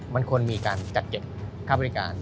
มันควรมีการจัดเก็บค่าบริการ